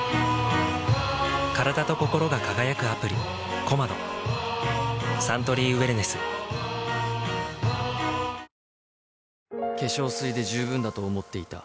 カラダとココロが輝くアプリ「Ｃｏｍａｄｏ」サントリーウエルネス化粧水で十分だと思っていた